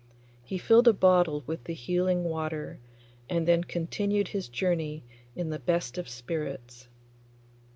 He filled a bottle with the healing water, and then continued his journey in the best of spirits.